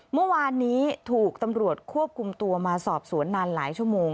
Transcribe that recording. เมื่อวานนี้ถูกตำรวจควบคุมตัวมาสอบสวนนานหลายชั่วโมง